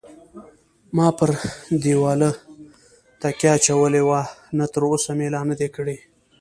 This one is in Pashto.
ما پر دېواله تکیه اچولې وه، نه تراوسه مې لا نه دی کړی.